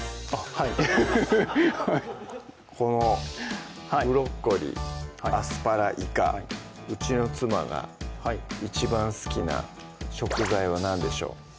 はいこのブロッコリー・アスパラ・いかうちの妻が一番好きな食材は何でしょう？